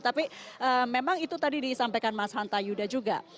tapi memang itu tadi disampaikan mas hanta yuda juga